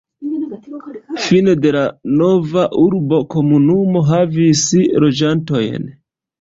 Fine de la nova urba komunumo havis loĝantojn.